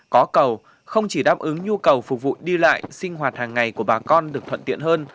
có cầu không chỉ đáp ứng nhu cầu phục vụ đi lại sinh hoạt hàng ngày của bà con được thuận tiện hơn